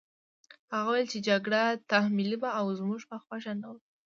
هغه وویل جګړه تحمیلي وه او زموږ په خوښه نه وه